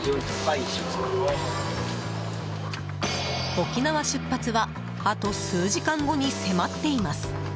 沖縄出発はあと数時間後に迫っています。